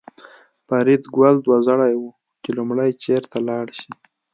فریدګل دوه زړی و چې لومړی چېرته لاړ شي